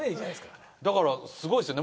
だからすごいっすよね。